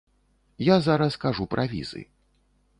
Я зараз кажу пра візы.